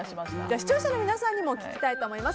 視聴者の皆さんにも聞きたいと思います。